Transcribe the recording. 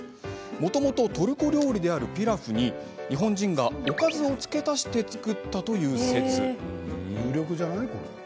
もともとトルコ料理であるピラフに日本人がおかずを付け足して作ったという説。